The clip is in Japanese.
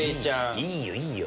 いいよいいよ！